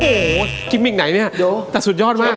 โหคริมมิคไหนเนี่ยแต่สุดยอดมาก